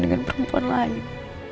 dengan perempuan lain